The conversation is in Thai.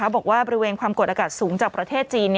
บริเวณความกดอากาศสูงจากประเทศจีน